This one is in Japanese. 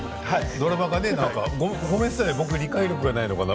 ドラマがね僕ごめんなさい僕理解力がないのかな？